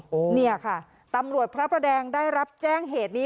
โอ้โหเนี่ยค่ะตำรวจพระประแดงได้รับแจ้งเหตุนี้